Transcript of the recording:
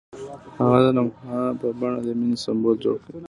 هغه د لمحه په بڼه د مینې سمبول جوړ کړ.